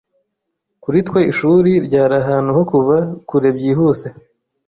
Kuri twe, ishuri ryari ahantu ho kuva kure byihuse.